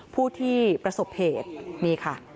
ผู้ที่ประสบเหตุนี่ค่ะ